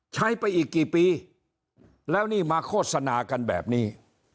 ใช้ไปอีกกี่ปีแล้วนี่มาโฆษณากันแบบนี้